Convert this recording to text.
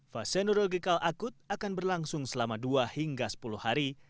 fase neurological akut akan berlangsung selama dua hingga sepuluh hari